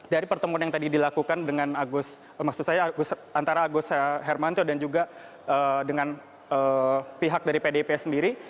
dari pertemuan yang tadi dilakukan dengan agus maksud saya antara agus hermanto dan juga dengan pihak dari pdip sendiri